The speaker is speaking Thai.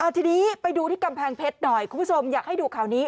ทีนี้ไปดูที่กำแพงเพชรหน่อยคุณผู้ชมอยากให้ดูข่าวนี้